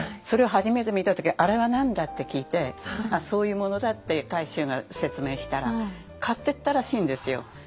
それを初めて見た時「あれは何だ？」って聞いてそういうものだって海舟が説明したら買っていったらしいんですよ。